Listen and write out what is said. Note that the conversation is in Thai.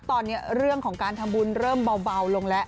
ตอนนี้เรื่องของการทำบุญเริ่มเบาลงแล้ว